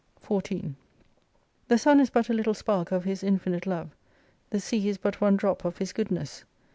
14 The Sun is but a little spark of His infinite love : the Sea is but one drop of His goodness.